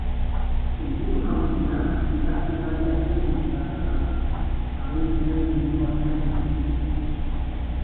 Helburu nagusia irakurgai atsegina izatea da, abenturen mundu batean murgilduta.